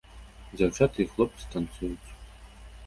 Дзяўчаты і хлопцы танцуюць.